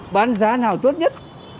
bán giá nào tốt nhất